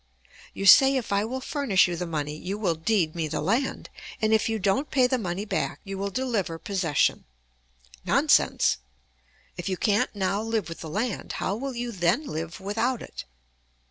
You say if I will furnish you the money you will deed me the land, and if you don't pay the money back you will deliver possession. Nonsense. If you can't now live with the land, how will you then live without it?